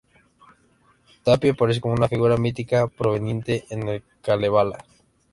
Tapio aparece como una figura mítica prominente en el "Kalevala".